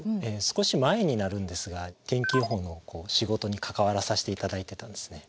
少し前になるんですが天気予報の仕事に関わらさせて頂いてたんですね。